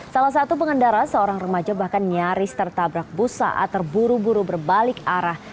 salah satu pengendara seorang remaja bahkan nyaris tertabrak bus saat terburu buru berbalik arah